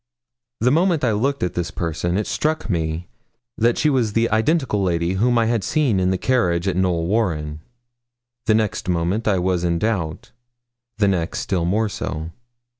The moment I looked at this person, it struck me that she was the identical lady whom I had seen in the carriage at Knowl Warren. The next moment I was in doubt; the next, still more so.